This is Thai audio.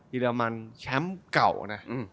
ชิลามันแชมป์เก่านะ